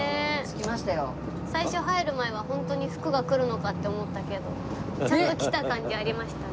最初入る前はホントに福が来るのかって思ったけどちゃんと来た感じありました。